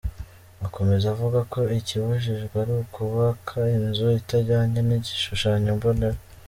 Akomeza avuga ko ikibujijwe ari ukubaka inzu itajyanye n’igishushanyo mbonera.